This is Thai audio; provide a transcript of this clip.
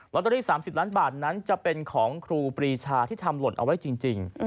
ตเตอรี่๓๐ล้านบาทนั้นจะเป็นของครูปรีชาที่ทำหล่นเอาไว้จริง